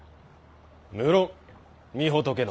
無論御仏の。